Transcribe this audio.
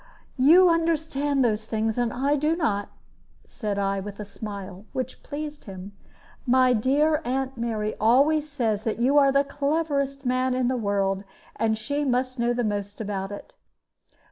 "You understand those things, and I do not," said I, with a smile, which pleased him. "My dear aunt Mary always says that you are the cleverest man in the world; and she must know most about it."